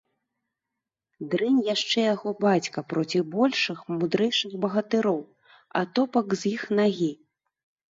Дрэнь яшчэ яго бацька проці большых, мудрэйшых багатыроў, атопак з іх нагі.